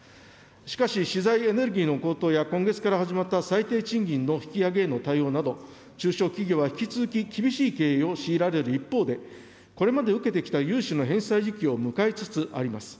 しかし、資材・エネルギーの高騰や今月から始まった最低賃金の引き上げへの対応など、中小企業は引き続き厳しい経営を強いられる一方で、これまで受けてきた融資の返済時期を迎えつつあります。